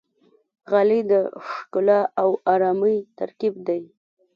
غالۍ د ښکلا او آرامۍ ترکیب دی.